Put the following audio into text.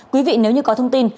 quý vị nếu như có thông tin